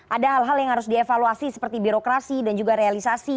ada hal hal yang harus dievaluasi seperti birokrasi dan juga realisasi